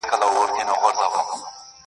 خپلي خبري خو نو نه پرې کوی,